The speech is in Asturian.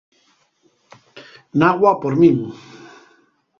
Nagua por min.